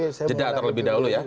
kita harus jeda terlebih dahulu ya